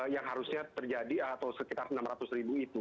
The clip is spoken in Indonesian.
yang harusnya terjadi atau sekitar rp enam ratus itu